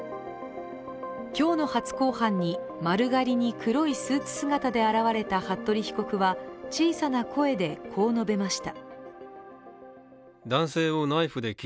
今日の初公判に丸刈りに黒いスーツ姿で現れた服部被告は小さな声で、こう述べました。